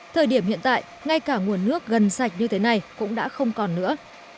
thời điểm hiện tại ngay cả nguồn nước gần sạch như thế này cũng đã không còn nữa